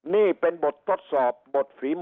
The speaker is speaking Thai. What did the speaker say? นี่เป็นบททดสอบ